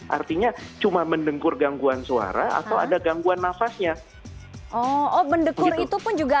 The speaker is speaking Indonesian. artinya cuma mendengkur gangguan suara atau ada gangguan nafasnya oh mendekur itu pun juga